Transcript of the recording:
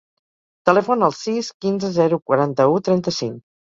Telefona al sis, quinze, zero, quaranta-u, trenta-cinc.